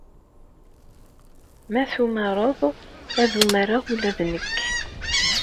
Ma tumared, ad umareɣ ula d nekk.